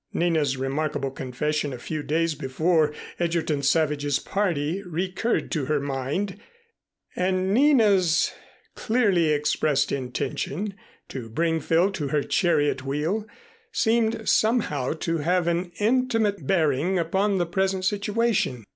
Nina's remarkable confession a few days before Egerton Savage's party recurred to her mind, and Nina's clearly expressed intention to bring Phil to her chariot wheel seemed somehow to have an intimate bearing upon the present situation.